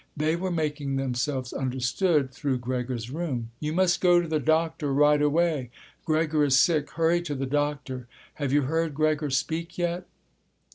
They were making themselves understood through Gregor's room. "You must go to the doctor right away. Gregor is sick. Hurry to the doctor. Have you heard Gregor speak yet?"